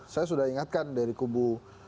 saya sudah ingatkan dari kubu